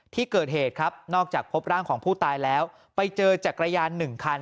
ที่เกิดเหตุครับนอกจากพบร่างของผู้ตายแล้วไปเจอจักรยาน๑คัน